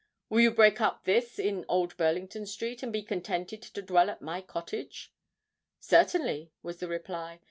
Will you break up this in Old Burlington Street, and be contented to dwell at my Cottage?" "Certainly," was the reply.